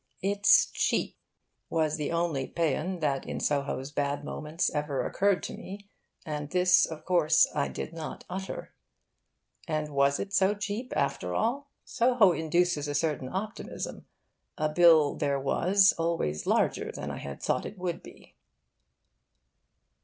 'It's cheap' was the only paean that in Soho's bad moments ever occurred to me, and this of course I did not utter. And was it so cheap, after all? Soho induces a certain optimism. A bill there was always larger than I had thought it would be.